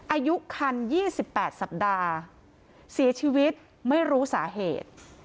อายุคัน๒๘สัปดาห์เสียชีวิตไม่รู้สาเหตุ